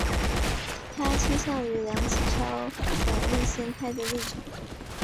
他倾向于梁启超等立宪派的立场。